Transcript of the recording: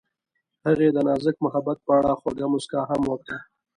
هغې د نازک محبت په اړه خوږه موسکا هم وکړه.